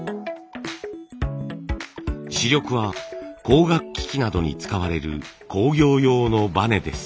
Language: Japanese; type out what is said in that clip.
主力は光学機器などに使われる工業用のバネです。